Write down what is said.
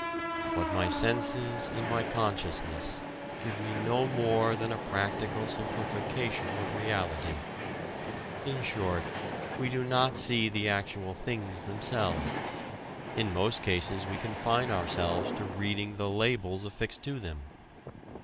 (But) my senses and my consciousness ... give me no more than a practical simplification of reality ... in short, we do not see the actual things themselves; in most cases we confine ourselves to reading the labels affixed to them."